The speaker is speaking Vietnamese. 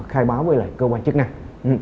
khai báo với lại cơ quan chức năng